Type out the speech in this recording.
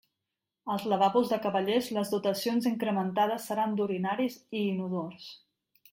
Als lavabos de cavallers les dotacions incrementades seran d'urinaris i inodors.